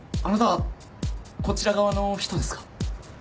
あなたこちら側の人ですか？